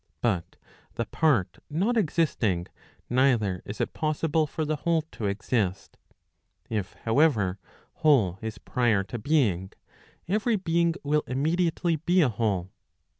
But the part not existing, neither is it possible for the whole to exist. If, however, whole is prior to being, every being will immediately be a whole.